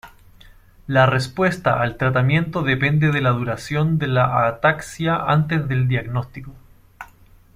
La respuesta al tratamiento depende de la duración de la ataxia antes del diagnóstico.